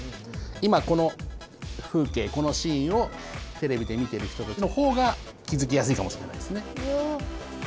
今この風景このシーンをテレビで見てる人たちのほうが気づきやすいかもしれないですね。